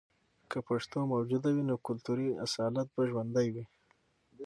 که پښتو موجوده وي، نو کلتوري اصالت به ژوندۍ وي.